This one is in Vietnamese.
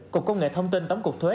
cục công nghệ thông tin tấm cuộc thuê